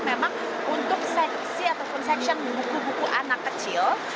memang untuk seduksi ataupun seksi buku buku anak kecil